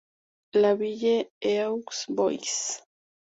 La Ville-aux-Bois